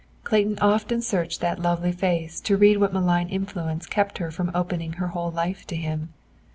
Clayton often searched that lovely face to read what malign influence kept her from opening her whole life to him.